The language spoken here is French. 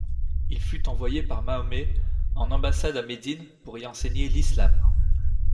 Il fut envoyé par Mahomet en ambassade à Médine pour y enseigner l'islam.